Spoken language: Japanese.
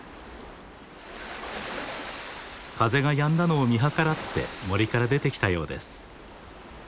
風がやんだのを見計らって森から出てきたようです。